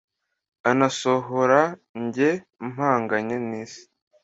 anasohora njye mpanganye ni isi